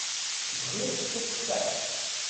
Bɣiɣ tateffaḥt.